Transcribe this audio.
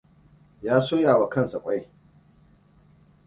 Ya soya kansa ƙwai.